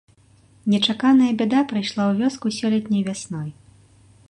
Нечаканая бяда прыйшла ў вёску сёлетняй вясной.